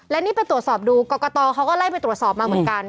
และนี่ไปตรวจสอบดูกรกตเขาก็ไล่ไปตรวจสอบมาเหมือนกัน